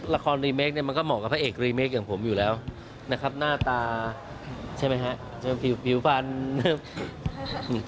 ละครรีเมคเนี่ยมันก็เหมาะกับพระเอกรีเมคอย่างผมอยู่แล้วนะครับหน้าตาใช่ไหมฮะผิวฟัน